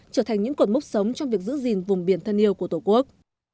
trở thành những cột mốc sống trong việc giữ gìn vùng biển thân yêu của tổ quốc